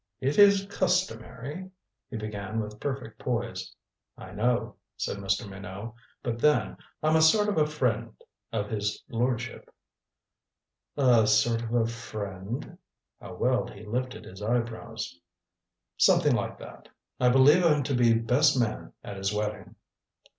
"It is customary " he began with perfect poise. "I know," said Mr. Minot. "But then, I'm a sort of a friend of his lordship." "A sort of a friend?" How well he lifted his eyebrows! "Something like that. I believe I'm to be best man at his wedding."